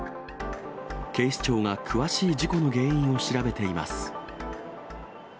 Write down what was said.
警視庁が詳しい事故の原因を調べています。